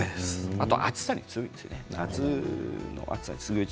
あと夏の暑さに強いですよね。